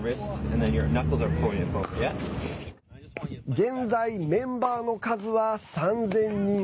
現在メンバーの数は３０００人。